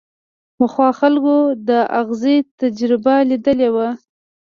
پخوا خلکو د ازغي تجربه ليدلې وه.